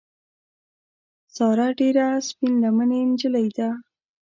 ساره ډېره سپین لمنې نجیلۍ ده.